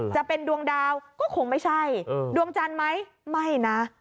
จะเป็นดวงดาวก็คงไม่ใช่ดวงจันทร์ไหมไม่นะ